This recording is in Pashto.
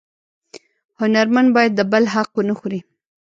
هنرمن باید د بل حق ونه خوري